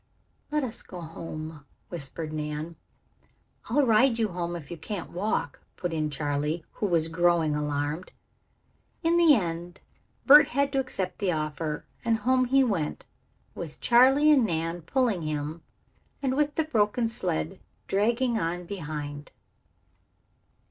"Let us go home," whispered Nan. "I'll ride you home if you can't walk," put in Charley, who was growing alarmed. In the end Bert had to accept the offer, and home he went, with Charley and Nan pulling him and with the broken sled dragging on behind.